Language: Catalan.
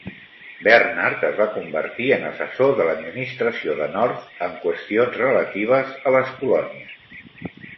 Bernard es va convertir en assessor de l'administració de North en qüestions relatives a les colònies.